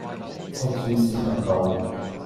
赤柱市場道